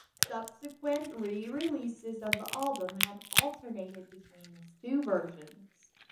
Subsequent re-releases of the album have alternated between these two versions.